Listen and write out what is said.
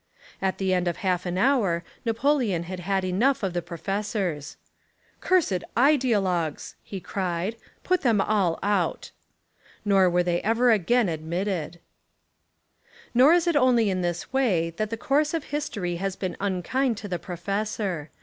At the end of half an hour Napoleon had had enough of the pro fessors. "Cursed idealogues," he cried; "put them all out." Nor were they ever again ad mitted. 13 Essays and Literary Studies Nor is it only in this way that the course of history has been unkind to the professor.